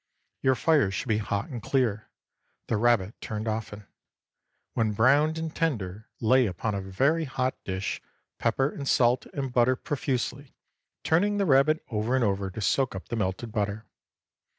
Your fire should be hot and clear, the rabbit turned often. When browned and tender, lay upon a very hot dish, pepper and salt and butter profusely, turning the rabbit over and over to soak up the melted butter.